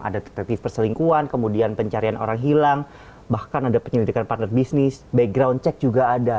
ada perti perselingkuhan kemudian pencarian orang hilang bahkan ada penyelidikan partner bisnis background check juga ada